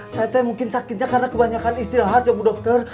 saya teh mungkin sakitnya karena kebanyakan istirahat ya bu dokter